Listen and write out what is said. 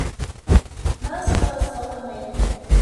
Most were solid maple.